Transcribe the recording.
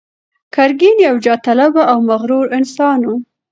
ګرګين يو جاه طلبه او مغرور انسان و.